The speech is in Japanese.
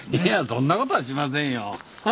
そんなことはしませんよ。